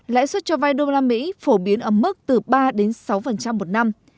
lãi suất cho vay đô la mỹ phổ biến ở mức từ ba đến sáu một năm